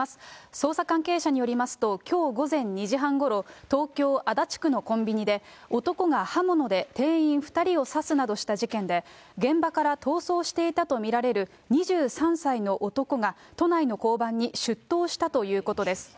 捜査関係者によりますと、きょう午前２時半ごろ、東京・足立区のコンビニで、男が刃物で店員２人を刺すなどした事件で、現場から逃走していたと見られる２３歳の男が、都内の交番に出頭したということです。